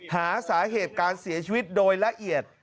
หาสาเหตุการเสียชีวิตโดยละเอียด